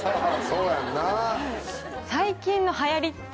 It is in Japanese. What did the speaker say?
そうやんな。